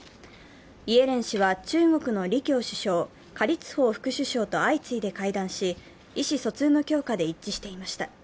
イエレン氏は中国の李強首相、何立峰副首相と相次いで会談し、意思疎通の強化で一致していました。